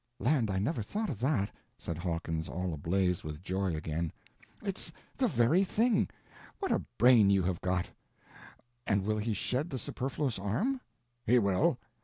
"Land, I never thought of that!" said Hawkins all ablaze with joy again. "It's the very thing. What a brain you have got! And will he shed the superfluous arm?" "He will."